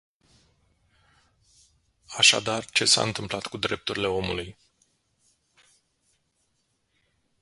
Așadar, ce s-a întâmplat cu drepturile omului?